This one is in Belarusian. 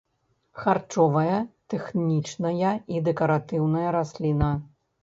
Харчовая, тэхнічная і дэкаратыўная расліна.